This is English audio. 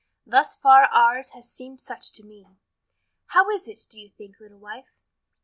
Thus far ours has seemed such to me. How is it, do you think, little wife?"